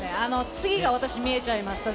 次が私、見えちゃいました。